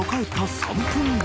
３分後。